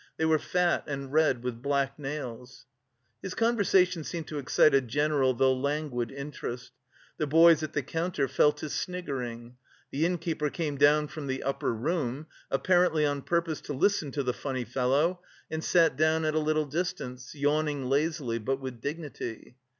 They were fat and red, with black nails. His conversation seemed to excite a general though languid interest. The boys at the counter fell to sniggering. The innkeeper came down from the upper room, apparently on purpose to listen to the "funny fellow" and sat down at a little distance, yawning lazily, but with dignity.